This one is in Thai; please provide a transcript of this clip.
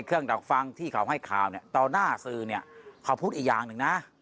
เครื่องดอกฟังที่เขาให้ข่าวตอนหน้าสื่อเขาพูดอีกอย่างหนึ่งนะ